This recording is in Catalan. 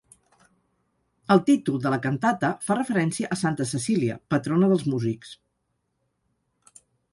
El títol de la cantata fa referència a Santa Cecília, patrona dels músics.